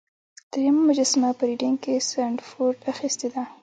دریمه مجسمه په ریډینګ کې سنډفورډ اخیستې ده.